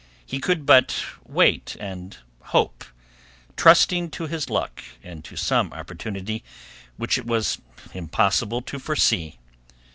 He could but wait and hope, trusting to his luck and to some opportunity which it was impossible to foresee.